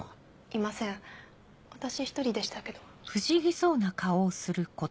いません私１人でしたけど。